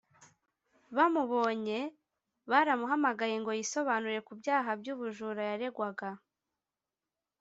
Bamubonye baramuhamagaye ngo yisobanure ku byaha by’ubujura yaregwaga